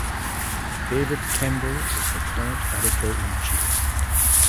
David Kender is the current Editor in Chief.